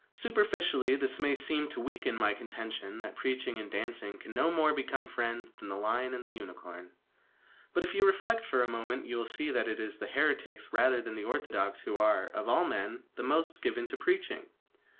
Superficially, this may seem to weaken my contention that preaching and dancing can no more become friends than the lion and the unicorn. But, if you reflect for a moment, you will see that it is the heretics rather than the orthodox who are, of all men, the most given to preaching.